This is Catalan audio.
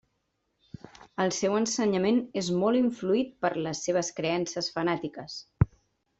El seu ensenyament és molt influït per les seves creences fanàtiques.